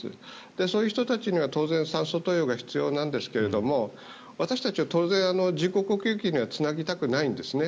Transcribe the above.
そういう人たちには当然、酸素投与が必要なんですが私たちは当然、人工呼吸器にはつなぎたくないんですね。